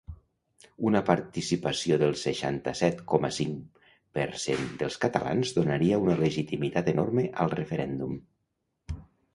Una participació del seixanta-set coma cinc per cent dels catalans donaria una legitimitat enorme al referèndum.